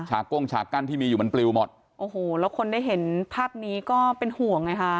ก้งฉากกั้นที่มีอยู่มันปลิวหมดโอ้โหแล้วคนได้เห็นภาพนี้ก็เป็นห่วงไงฮะ